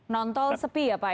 non tol sepi ya pak